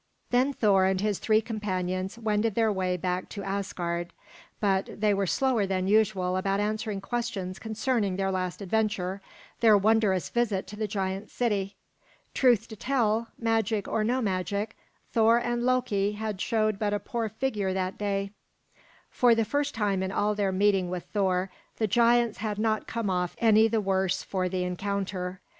Then Thor and his three companions wended their way back to Asgard. But they were slower than usual about answering questions concerning their last adventure, their wondrous visit to the giant city. Truth to tell, magic or no magic, Thor and Loki had showed but a poor figure that day. For the first time in all their meeting with Thor the giants had not come off any the worse for the encounter.